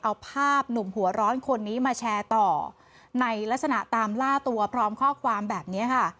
เอาภาพหนุ่มหัวร้อนคนนี้มาแชร์ต่อในลักษณะตามล่าตัวพร้อมข้อความแบบนี้ค่ะ